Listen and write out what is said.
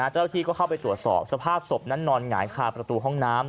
เจ้าที่ก็เข้าไปตรวจสอบสภาพศพนั้นนอนหงายคาประตูห้องน้ำ